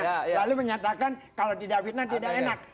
lalu menyatakan kalau tidak fitnah tidak enak